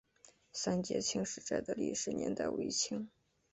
三捷青石寨的历史年代为清。